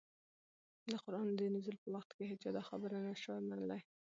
د قرآن د نزول په وخت كي هيچا دا خبره نه شوى منلى